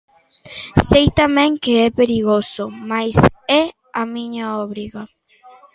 Sei tamén que é perigoso, mais é a miña obriga.